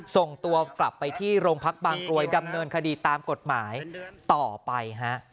ส่งตัวกลับไปที่โรงพักบางกรวยดำเนินคดีตามกฎหมายต่อไปฮะ